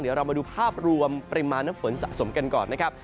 เดี๋ยวเรามาดูภาพรวมปริมาณน้ำฝนสะสมกันก่อนนะครับ